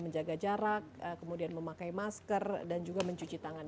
menjaga jarak kemudian memakai masker dan juga mencuci tangan